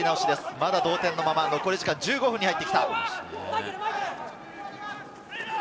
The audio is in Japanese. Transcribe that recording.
まだ同点のまま、残り時間１５分に入ってきた。